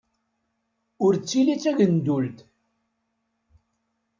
Ur ttili d tegeldunt.